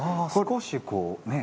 少しこうね。